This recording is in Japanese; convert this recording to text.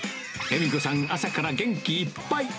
恵美子さん、朝から元気いっぱい。